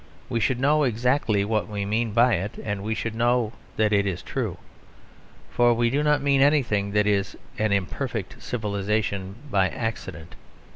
We should know exactly what we meant by it; and we should know that it is true. For we do not mean anything that is an imperfect civilisation by accident.